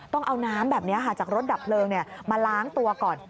ต้องเอาน้ำแบบนี้จากรถดับเพลิงมาล้างตัวก่อน